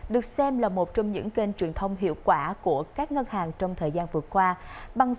được xem là một trong những kênh truyền thông hiệu quả của các ngân hàng trong thời gian vừa qua